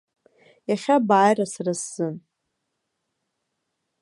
Иахьа бааира сара сзын.